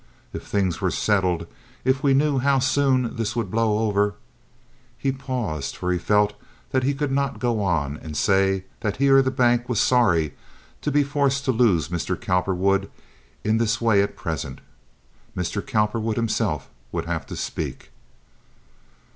If things were settled—if we knew how soon this would blow over—" He paused, for he felt that he could not go on and say that he or the bank was sorry to be forced to lose Mr. Cowperwood in this way at present. Mr. Cowperwood himself would have to speak.